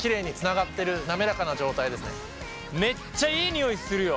めっちゃいい匂いするよ。